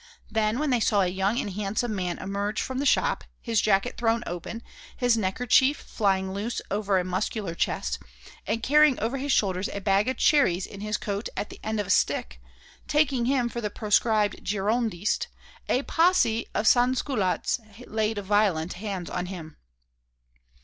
Then, when they saw a young and handsome man emerge from the shop, his jacket thrown open, his neckerchief flying loose over a muscular chest, and carrying over his shoulder a basket of cherries and his coat at the end of a stick, taking him for the proscribed girondist, a posse of sansculottes laid violent hands on him.